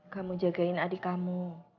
kamu jagain adik kamu